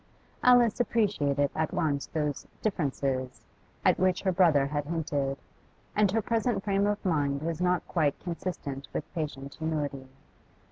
Alice appreciated at once those 'differences' at which her brother had hinted, and her present frame of mind was not quite consistent with patient humility.